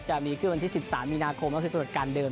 จะมีวันที่๑๓มีนาคมแล้วเสร็จตรวจการเดิม